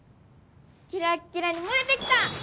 キラッキラに燃えてきた！